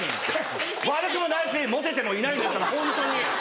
悪くもないしモテてもいないホントに。